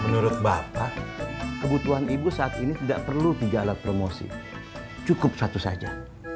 menurut bapak kebutuhan ibu saat ini tidak perlu tiga alat promosi cukup satu saja